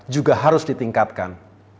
juga harus ditingkatkan